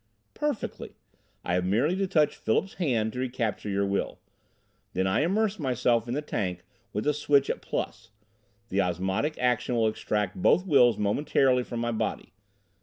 "Perfectly. I have merely to touch Philip's hand to recapture your will. Then I immerse myself in the tank with the switch at plus. The osmotic action will extract both wills momentarily from my body.